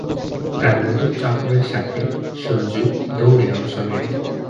তার নতুন চক্রের সাথে, সঞ্জু দৌড়ে অংশ নেয়।